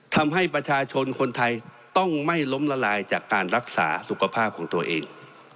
ทำให้ประชาชนคนไทยต้องไม่ล้มละลายจากการรักษาสุขภาพของตัวเอง